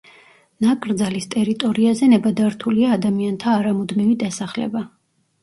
ნაკრძალის ტერიტორიაზე ნებადართულია ადამიანთა არამუდმივი დასახლება.